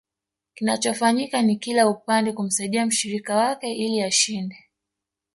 Kinachofanyika ni kila upande kumsaidia mshirika wake ili ashinde